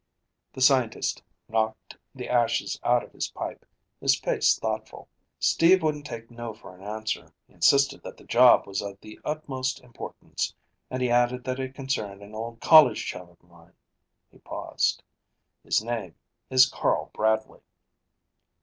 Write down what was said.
The scientist knocked the ashes out of his pipe, his face thoughtful. "Steve wouldn't take no for an answer. He insisted that the job was of the utmost importance, and he added that it concerned an old college chum of mine." He paused. "His name is Carl Bradley."